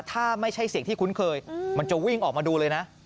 ถ้าไม่ใช่เสียงที่คุ้นเคยมันจะวิ่งออกมาดูเลยนะ